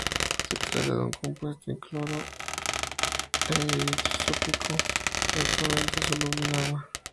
Se trata de un compuesto incoloro e higroscópico, altamente soluble en agua.